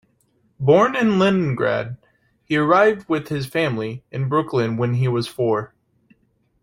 Born in Leningrad, he arrived with his family in Brooklyn when he was four.